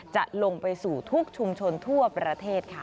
จะลงไปสู่ทุกชุมชนทั่วประเทศค่ะ